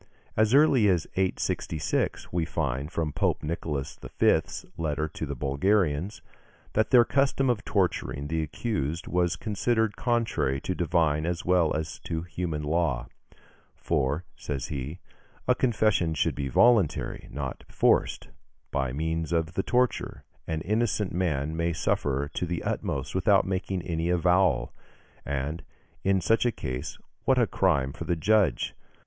As early as 866, we find, from Pope Nicholas V.'s letter to the Bulgarians, that their custom of torturing the accused was considered contrary to divine as well as to human law: "For," says he, "a confession should be voluntary, and not forced. By means of the torture, an innocent man may suffer to the utmost without making any avowal; and, in such a case, what a crime for the judge!